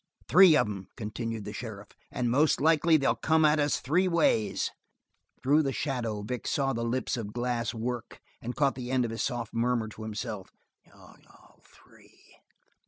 "Three of 'em," continued the sheriff, "and most likely they'll come at us three ways." Through the shadow Vic watched the lips of Glass work and caught the end of his soft murmur to himself: ".... all three!"